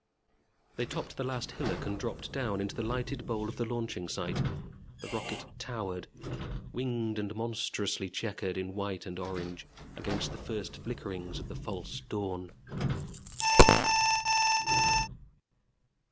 They topped the last hillock and dropped down into the lighted bowl of the launching site. The rocket towered, winged and monstrously checkered in white and orange, against the first flickerings of the false dawn.